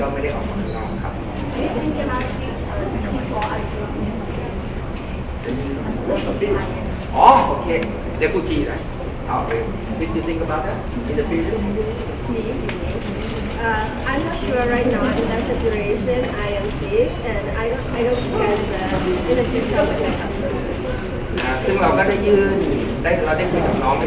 ไม่ไม่ไม่ไม่ไม่ไม่ไม่ไม่ไม่ไม่ไม่ไม่ไม่ไม่ไม่ไม่ไม่ไม่